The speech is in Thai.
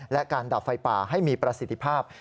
และการดับไฟป่าให้มีประสิทธิภาพ